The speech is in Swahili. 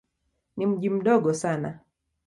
Ni mji mdogo sana.